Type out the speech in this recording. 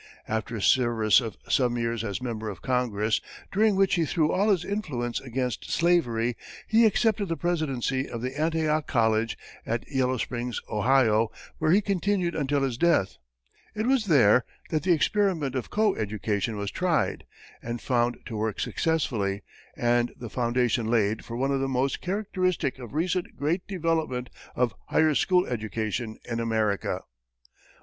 After a service of some years as member of Congress, during which he threw all his influence against slavery, he accepted the presidency of Antioch College, at Yellow Springs, Ohio, where he continued until his death. It was there that the experiment of co education was tried, and found to work successfully, and the foundations laid for one of the most characteristic of recent great development of higher school education in America.